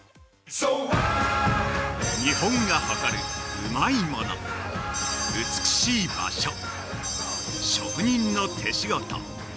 ◆日本が誇るうまいもの、美しい場所、職人の手仕事。